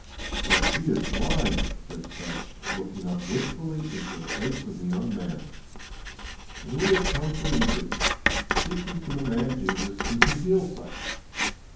"But she is blind," said Seth, looking up wistfully into the face of the young man, "and we have come from Egypt, seeking for the man Jesus who can heal such.